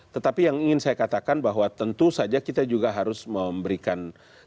tetapi yang ingin saya katakan bahwa tentu saja kita juga harus memberikan